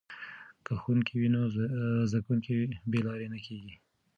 که ښوونکی وي نو زده کوونکي بې لارې نه کیږي.